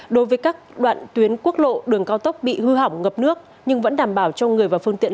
đối với các đoạn tuyến quốc lộ đường cao tốc bị hư hỏng ngập nước nhưng vẫn đảm bảo cho người và phương tiện